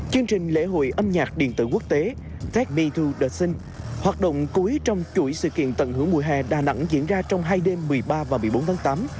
chương trình lễ hội âm nhạc điện tử quốc tế tetmy thu the sing hoạt động cuối trong chuỗi sự kiện tận hưởng mùa hè đà nẵng diễn ra trong hai đêm một mươi ba và một mươi bốn tháng tám